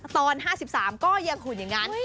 ตอน๕๓ก็ยังหุ่นอย่างนั้น